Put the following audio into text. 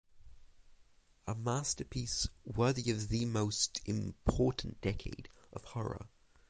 A masterpiece worthy of the most important decade of horror.